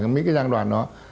mấy cái giang đoàn đó